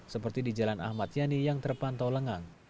seperti di jalan ahmad yani yang terpantau lengang